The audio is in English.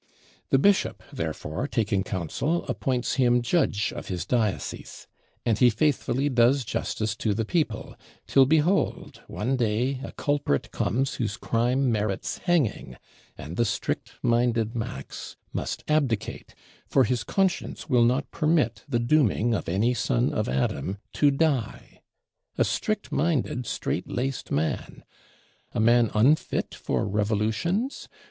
The Bishop, therefore, taking counsel, appoints him Judge of his diocese, and he faithfully does justice to the people: till behold, one day, a culprit comes whose crime merits hanging, and the strict minded Max must abdicate, for his conscience will not permit the dooming of any son of Adam to die. A strict minded, strait laced man! A man unfit for Revolutions?